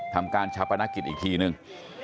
ทำการชับประนักกิจอีกทีหนึ่ง